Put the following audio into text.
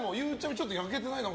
ちょっと焼けてない？